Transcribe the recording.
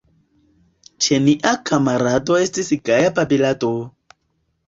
Ĉe nia kamarado Estis gaja babilado!